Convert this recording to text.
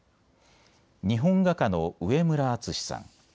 日本画家の上村淳之さん。